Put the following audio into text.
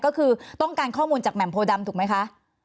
ก็คือต้องการข้อมูลจากแหม่มโพดำถูกไหมคะ